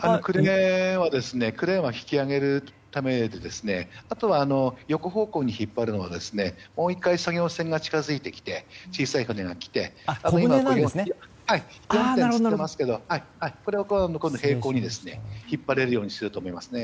クレーンは引き揚げるためであとは、横方向に引っ張るのはもう１回作業船が近づいてきて小さい船が来てこれを向こうで平行に引っ張れるようにすると思います。